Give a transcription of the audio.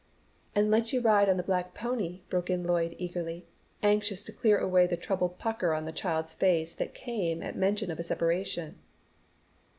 "And let you ride on the black pony," broke in Lloyd eagerly, anxious to clear away the troubled pucker on the child's face that came at mention of a separation.